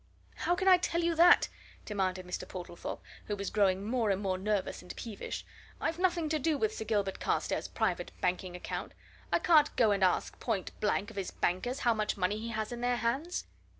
"How can I tell you that?" demanded Mr. Portlethorpe, who was growing more and more nervous and peevish. "I've nothing to do with Sir Gilbert Carstairs' private banking account. I can't go and ask, point blank, of his bankers how much money he has in their hands!"